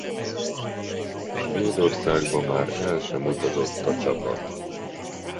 Svédországba már el sem utazott a csapat.